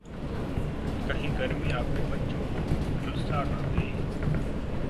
कहीं गर्मी आपके बच्चे को झुलसा न दे...